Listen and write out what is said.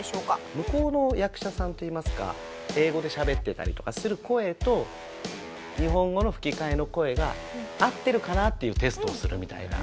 向こうの役者さんといいますか英語でしゃべってたりとかする声と日本語の吹き替えの声が合ってるかなっていうテストをするみたいな。